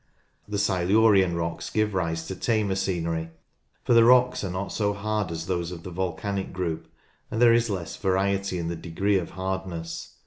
The Silurian rocks give rise to tamer scenery, for the rocks are not so hard as those of the volcanic group, and there is less variety in the degree of hardness.